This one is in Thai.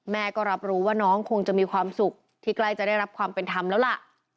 แม่ก็รับรู้ว่าน้องคงจะมีความสุขที่ใกล้จะได้รับความเป็นธรรมแล้วล่ะ